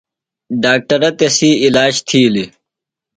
ڈاکٹرہ تسی عِلاج تِھیلیۡ۔